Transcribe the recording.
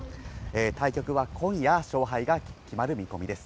対局は今夜、勝敗が決まる見込みです。